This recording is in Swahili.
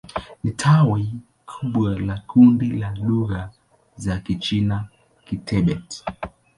Ni tawi kubwa la kundi la lugha za Kichina-Kitibet.